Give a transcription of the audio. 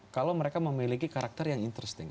kalau mereka memiliki karakter yang interesting